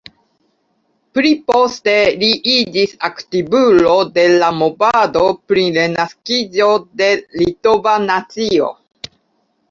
Pli poste li iĝis aktivulo de la movado pri renaskiĝo de litova nacio.